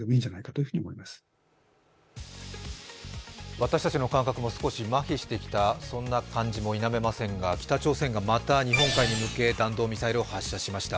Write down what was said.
私たちの感覚も少しまひしてきた、そんな感じも否めませんが北朝鮮がまた日本海に向け弾道ミサイルを発射しました。